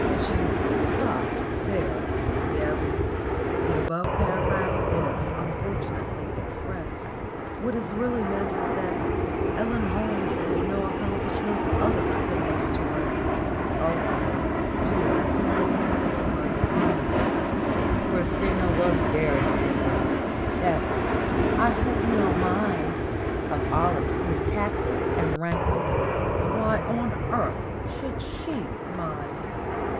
But she stopped there. Yes, the above paragraph is unfortunately expressed. What is really meant, is that Ellen Holmes had no accomplishments other than natatory. Also, she was as plain as a motor omnibus. Christina was very angry. That "I hope you don't mind" of Olive's was tactless and rankled. Why on earth should she mind